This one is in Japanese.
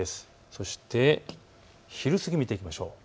そして昼過ぎを見ていきましょう。